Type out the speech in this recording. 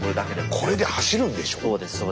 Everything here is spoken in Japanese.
これで走るんでしょ？